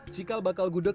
cikal bakal gudeg